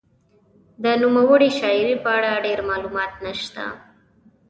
د نوموړې شاعرې په اړه ډېر معلومات نشته.